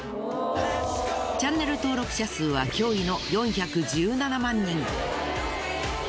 チャンネル登録者数は驚異の４１７万人。